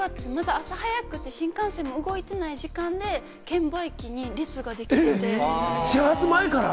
朝早くて新幹線も動いてない時間で券売機に始発前から